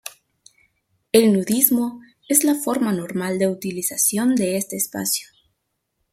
El nudismo es la forma normal de utilización de este espacio.